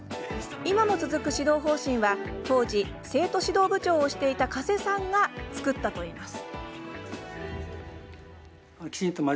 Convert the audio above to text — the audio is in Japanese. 今も続く指導方針は当時、生徒指導部長をしていた加瀬さんが作ったといいます。